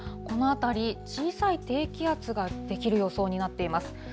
この辺り、小さい低気圧が出来る予想になっています。